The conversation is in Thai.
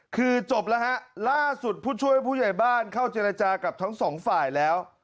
คือจบแล้วฮะล่าสุดผู้ช่วยผู้ใหญ่บ้านเข้าเจรจากับทั้งสองฝ่ายแล้ว